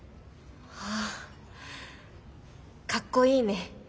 あかっこいいね。